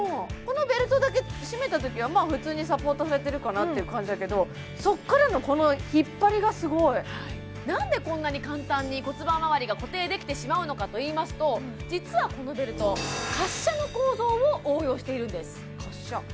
このベルトだけ締めたときはまあ普通にサポートされてるかなっていう感じだけどそっからのこのなんでこんなに簡単に骨盤回りが固定できてしまうのかといいますと実はこのベルト滑車の構造を応用しているんです滑車？